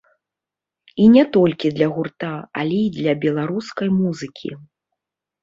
І не толькі для гурта, але і для беларускай музыкі.